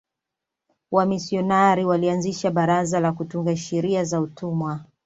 wamishionari walianzisha baraza la kutunga sheria za utumwa